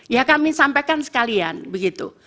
ya kami sampaikan sekalian begitu